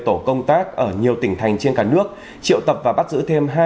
một mươi tổ công tác ở nhiều tỉnh thành trên cả nước triệu tập và bắt giữ thêm